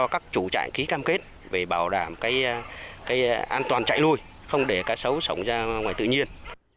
cái an toàn trại nuôi không để cá sấu sống ra ngoài tự nhiên